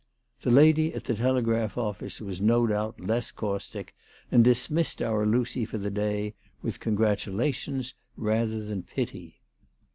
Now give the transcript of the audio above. The lady at the telegraph office was no doubt less caustic, and dismissed our Lucy for the day with congratulations rather than pity.